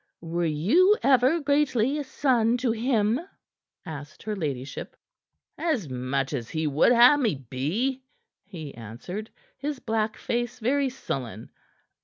"Were you ever greatly a son to him?" asked her ladyship. "As much as he would ha' me be," he answered, his black face very sullen.